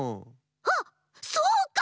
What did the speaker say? あっそうか！